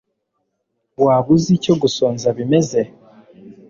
Waba uzi icyo gusonza bimeze